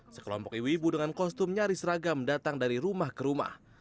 sekelompok ibu ibu dengan kostum nyaris ragam datang dari rumah ke rumah